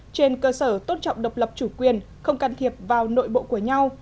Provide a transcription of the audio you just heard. trên cơ sở tôn trọng độc lập chủ quyền không can thiệp vào nội bộ của nhau